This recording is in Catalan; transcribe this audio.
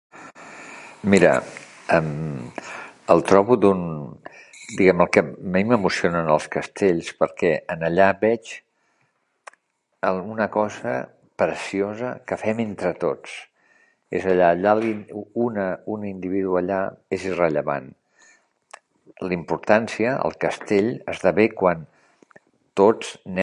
Mira, em el trobo d'un, diguem, el que a mi m'emociona dels castells, perquè en allà veig alguna cosa preciosa que fem entre tots, és allà un un individu allà és rellevant, la importància, el castell, esdevé quan tots nem...